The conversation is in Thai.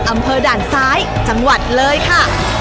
อำเภอด่านซ้ายจังหวัดเลยค่ะ